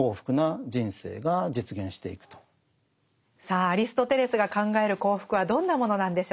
さあアリストテレスが考える幸福はどんなものなんでしょうか？